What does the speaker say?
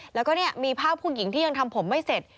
แล้วก็เนี่ยมีภาพผู้หญิงที่ยังทำผมไม่เสร็จ